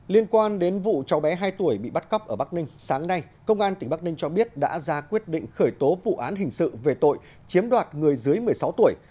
liên quan đến vụ cháu bé hai tuổi bị bắt cóc ở bắc ninh sáng nay công an tỉnh bắc ninh cho biết đã ra quyết định khởi tố vụ án hình sự về tội chiếm đoạt người dưới một mươi sáu tuổi